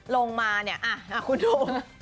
ลงมาเนี่ยคุณดู